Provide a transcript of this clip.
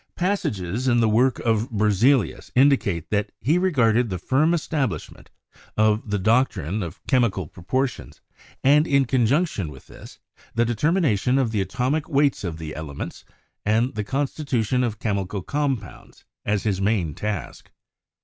Passages in the works of Berzelius indicate that he regarded the firm establishment of the doctrine of chemi 204 CHEMISTRY cal proportions, and, in conjunction with this, the deter mination of the atomic weights of the elements and the constitution of chemical compounds, as his main task.